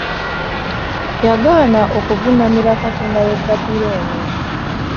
Yagaana okuvunnamira kaonda w'e bbabirooni .